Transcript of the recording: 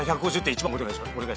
１番お願いします。